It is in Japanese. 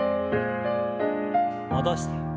戻して。